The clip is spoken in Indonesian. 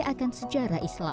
kota kudus di indonesia